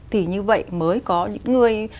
thì như vậy mới có những người